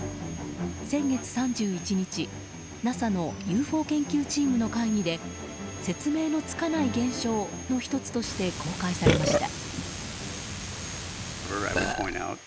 先月３１日、ＮＡＳＡのＵＦＯ研究チームの会議で説明のつかない現象の１つとして公開されました。